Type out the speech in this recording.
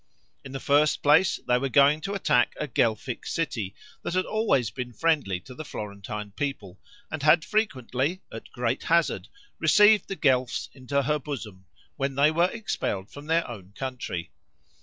In the first place they were going to attack a Guelphic city, that had always been friendly to the Florentine people, and had frequently, at great hazard, received the Guelphs into her bosom when they were expelled from their own country.